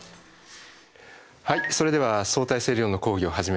はいそれでは相対性理論の講義を始めたいと思います。